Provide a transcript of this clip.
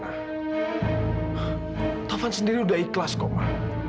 ma taufan sendiri sudah ikhlas kok ma